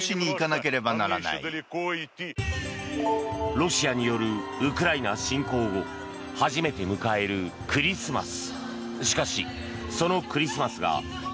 ロシアによるウクライナ侵攻後初めて迎えるクリスマス。